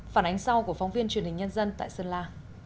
phản ánh sau của phóng viên truyền hình nhân dân tại sơn la